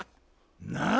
なあ？